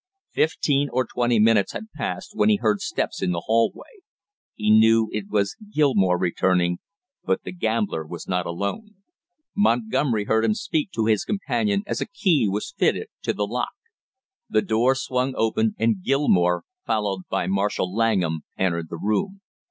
Fifteen or twenty minutes had passed when he heard steps in the hallway. He knew it was Gilmore returning, but the gambler was not alone; Montgomery heard him speak to his companion as a key was fitted to the lock. The door swung open and Gilmore, followed by Marshall Langham, entered the room.